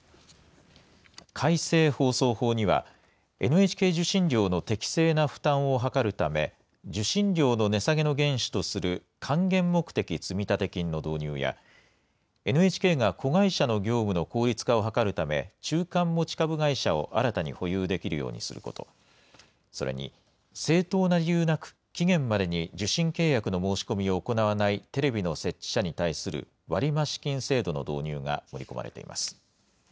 改正放送法には、ＮＨＫ受信料の適正な負担を図るため、受信料の値下げの原資とする還元目的積立金の導入や、ＮＨＫが子会社の業務の効率化を図るため、中間持株会社を新たに保有できるようにすること、それに、正当な理由なく、期限までに受信契約の申し込みを行わないテレビの設置者に対する割増金制度の導入が盛り込まれています。